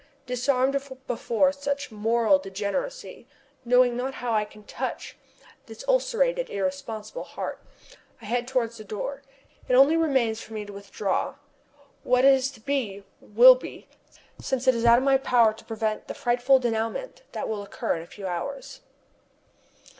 Disarmed before such moral degeneracy, knowing not how I can touch his ulcerated, irresponsible heart, I turn towards the door. It only remains for me to withdraw. What is to be, will be, since it is out of my power to prevent the frightful dénouement that will occur in a few hours.